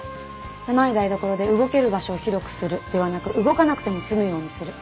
狭い台所で「動ける場所を広くする」ではなく「動かなくても済むようにする」。